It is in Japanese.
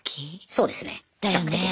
そうですね比較的。だよね。